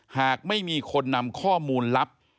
หากไม่มีคนนำข้อมูลลับ